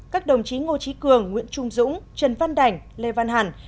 ba các đồng chí ngô trí cường nguyễn trung dũng trần văn đảnh lê văn hẳn